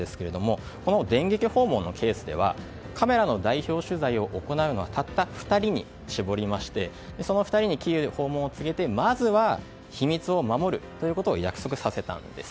この電撃訪問のケースではカメラの代表取材を行うのはたった２人に絞りましてその２人にキーウ訪問を告げてまずは、秘密を守るということを約束させたんです。